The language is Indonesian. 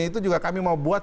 itu juga kami mau buat